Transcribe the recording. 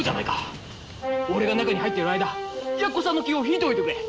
俺が中に入ってる間やっこさんの気を引いておいてくれ。